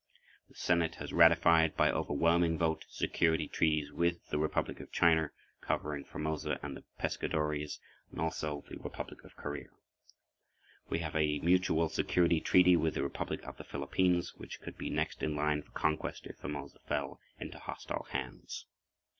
The Senate has ratified, by overwhelming vote, security treaties with the Republic of China covering Formosa and the Pescadores, and also the Republic of Korea. We have a mutual security treaty with the Republic of the Philippines, which could be next in line for conquest if Formosa fell into hostile hands.